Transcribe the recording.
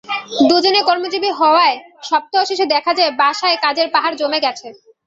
দুজনই কর্মজীবী হওয়ায় সপ্তাহ শেষে দেখা যায় বাসায় কাজের পাহাড় জমে গেছে।